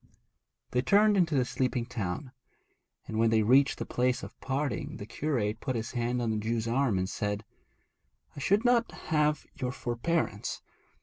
They turned into the sleeping town; but when they reached the place of parting the curate put his hand on the Jew's arm and said, 'I should not have your forbearance.